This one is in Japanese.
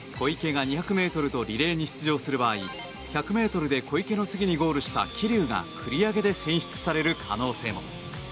小池が２００ｍとリレーに出場する場合１００ｍで小池の次にゴールした桐生が繰り上げで選出される可能性も。